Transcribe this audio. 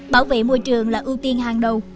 bảo vệ môi trường là ưu tiên hàng đầu